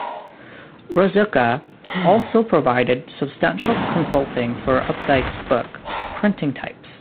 Ruzicka also provided substantial consulting for Updike's book "Printing Types".